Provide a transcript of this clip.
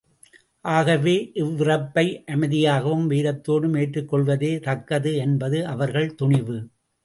ஆகவே, இவ்விறப்பை அமைதியாகவும் வீரத்தோடும் ஏற்றுக்கொள்வதே தக்கது என்பது அவர்கள் துணிவு.